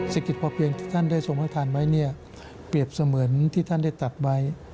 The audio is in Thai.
สินคิดพอเพียงที่ท่านได้ส่งพักทานไว้เปรียบเสมือนที่ท่านได้ตัดไว้